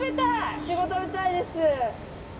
イチゴ食べたいです。